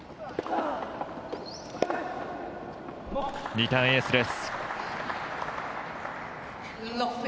リターンエースです。